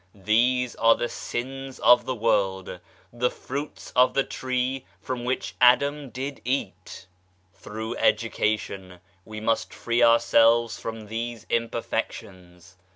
These are the sins of the world, the fruits of the tree from which Adam did eat. Through 166 THE PROGRESS OF THE SOUL education we must free ourselves from these imperfec tions.